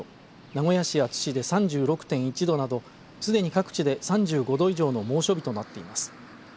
名古屋市や津市で３６．１度などすでに各地で３５度以上の猛暑日となっています。